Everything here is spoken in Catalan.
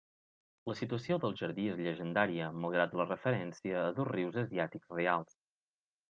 La situació del jardí és llegendària, malgrat la referència a dos rius asiàtics reals.